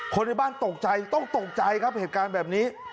ในบ้านตกใจต้องตกใจครับเหตุการณ์แบบนี้